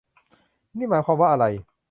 นี่มันหมายความว่าอะไร